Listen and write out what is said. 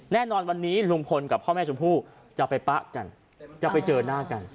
แน่นอนวันนี้ลุงพลกับพ่อแม่ชมพู่จะไปปะกันจะไปเจอหน้ากัน